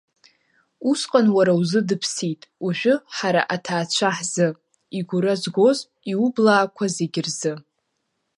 Усҟан, уара узы дыԥсит, ожәы ҳара аҭаацәа ҳзы, игура згоз иублаақуа зегьы рзы!